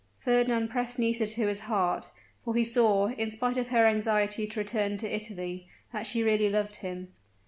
Fernand pressed Nisida to his heart for he saw, in spite of her anxiety to return to Italy, that she really loved him.